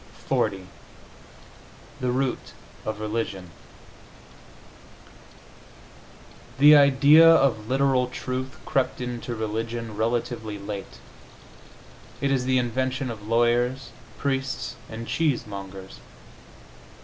XL THE ROOT OF RELIGION The idea of literal truth crept into religion relatively late: it is the invention of lawyers, priests and cheese mongers.